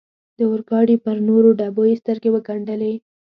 د اورګاډي پر نورو ډبو یې سترګې و ګنډلې.